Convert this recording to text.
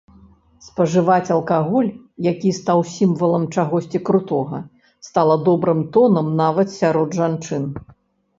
Спажываць алкаголь, які стаў сімвалам чагосьці крутога, стала добрым тонам нават сярод жанчын.